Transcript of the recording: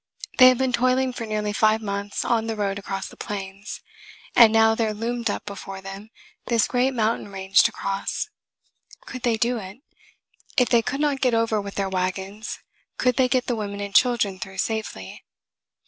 They had been toiling for nearly five months on the road across the Plains, and now there loomed up before them this great mountain range to cross. Could they do it? If they could not get over with their wagons, could they get the women and children through safely?